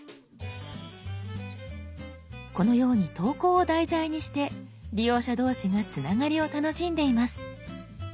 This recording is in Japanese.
このように投稿を題材にして利用者同士がつながりを楽しんでいます。